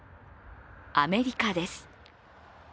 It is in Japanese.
アメリカです。